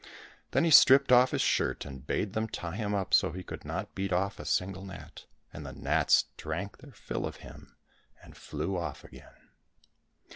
Then he stripped off his shirt and bade them tie him up so that he could not beat off a single gnat, and the gnats drank their fill of him and flew off again.